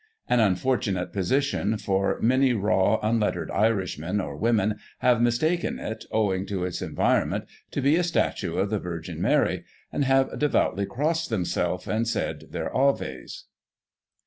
An unfortunate position, for many raw, un lettered Irishmen, or women, have mistaken it, owing to its environment, to be a statue of the Virgin Mary, and have devoutly crossed themselves, and said their " Aves."